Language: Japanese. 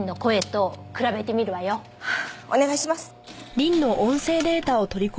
お願いします！